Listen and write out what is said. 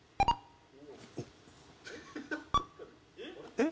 えっ？